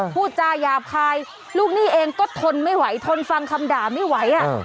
พูดจาหยาบคายลูกหนี้เองก็ทนไม่ไหวทนฟังคำด่าไม่ไหว